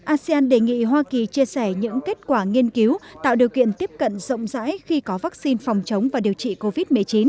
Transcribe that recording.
asean đề nghị hoa kỳ chia sẻ những kết quả nghiên cứu tạo điều kiện tiếp cận rộng rãi khi có vaccine phòng chống và điều trị covid một mươi chín